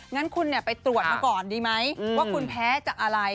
งั้นคุณไปตรวจมาก่อนดีไหมว่าคุณแพ้จากอะไร